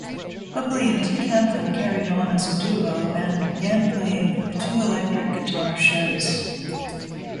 Hubley and Kaplan carried on as a duo and began playing two-electric-guitar shows.